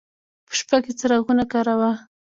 په شپه کې څراغونه کاروه.